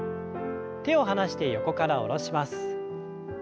手を離して横から下ろします。